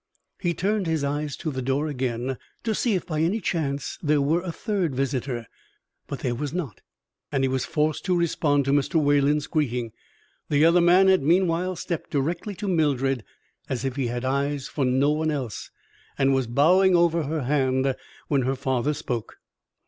He turned his eyes to the door again, to see if by any chance there were a third visitor, but there was not, and he was forced to respond to Mr. Wayland's greeting. The other man had meanwhile stepped directly to Mildred, as if he had eyes for no one else, and was bowing over her hand when her father spoke.